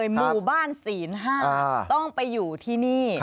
หมู่บ้านศีล๕ต้องไปอยู่ที่นี่